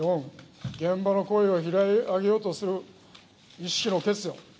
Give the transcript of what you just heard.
４、現場の声を拾い上げようとする意志の欠如